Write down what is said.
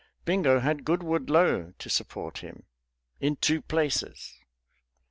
Bingo had Goodwood Lo to support him in two places.